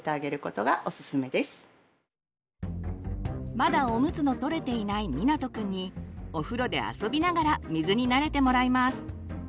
まだおむつのとれていないみなとくんにお風呂で遊びながら水に慣れてもらいます。